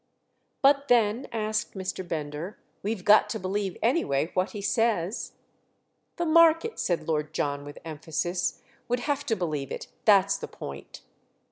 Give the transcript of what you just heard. "But then," asked Mr. Bender, "we've got to believe anyway what he says?" "The market," said Lord John with emphasis, "would have to believe it—that's the point."